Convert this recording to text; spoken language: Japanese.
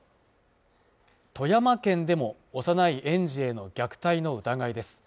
富山県でも幼い園児への虐待の疑いです